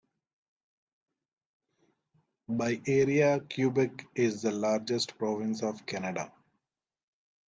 By area, Quebec is the largest province of Canada.